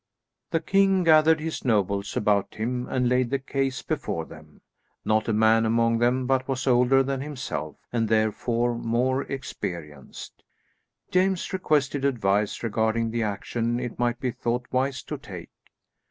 The king gathered his nobles about him and laid the case before them. Not a man among them but was older than himself, and therefore more experienced. James requested advice regarding the action it might be thought wise to take.